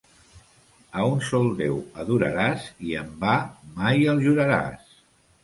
A un sol Déu adoraràs i en va mai el juraràs.